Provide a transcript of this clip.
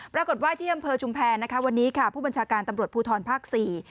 ปรากฏไว้ที่อำเภอชุมแพรวันนี้ผู้บัญชาการตำรวจภูทรภาค๔